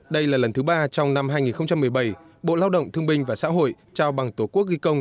đây là lần thứ ba trong năm hai nghìn một mươi bảy bộ lao động thương binh và xã hội trao bằng tổ quốc ghi công